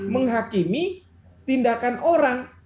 menghakimi tindakan orang